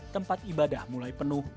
tempat ibadah mulai penuh